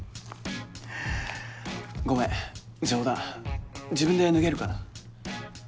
ごめん冗談自分で脱げるかな？